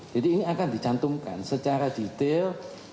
jadi ini akan dicantumkan secara detail